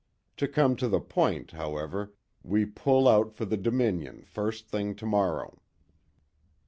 To come to the point, however, we pull out for the Dominion first thing to morrow."